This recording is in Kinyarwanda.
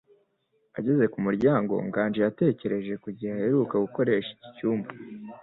Ageze ku muryango, Nganji yatekereje ku gihe aheruka gukoresha iki cyumba.